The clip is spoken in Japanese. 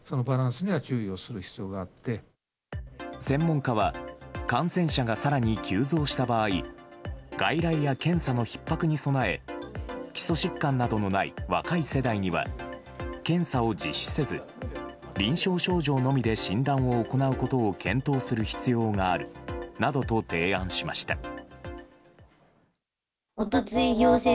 専門家は感染者が更に急増した場合外来や検査のひっ迫に備え基礎疾患などのない若い世代には検査を実施せず臨床症状のみで診断を行うことを検討する必要があるなどと提案しました。